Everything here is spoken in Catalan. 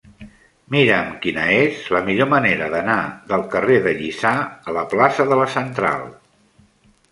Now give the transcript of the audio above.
Mira'm quina és la millor manera d'anar del carrer de Lliçà a la plaça de la Central.